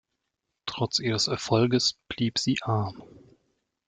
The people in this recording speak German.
Trotz ihres Erfolges blieb sie arm.